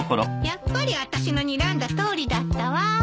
やっぱり私のにらんだとおりだったわ。